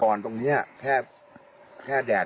ตรงนี้แค่แดด